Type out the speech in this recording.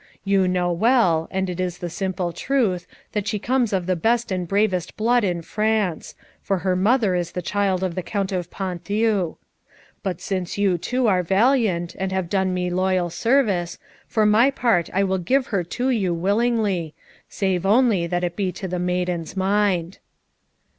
You know well, and it is the simple truth, that she comes of the best and bravest blood in France, for her mother is the child of the Count of Ponthieu. But since you too are valiant, and have done me loyal service, for my part I will give her to you willingly, save only that it be to the maiden's mind."